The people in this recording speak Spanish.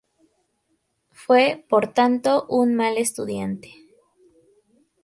Fue, por tanto, un mal estudiante.